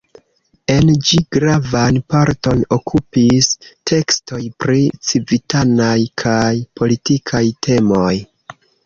En ĝi gravan parton okupis tekstoj pri civitanaj kaj politikaj temoj.